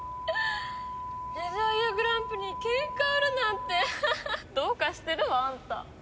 デザイアグランプリにケンカ売るなんてどうかしてるわあんた。